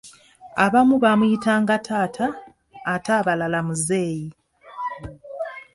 Abamu baamuyitanga taata ate abalala muzeeyi.